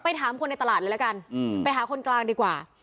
ถามคนในตลาดเลยละกันไปหาคนกลางดีกว่า